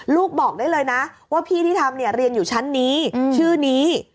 ลูกบอกได้เลยนะว่าพี่ที่ทำเรียนอยู่ชั้นนี้ชื่อนี้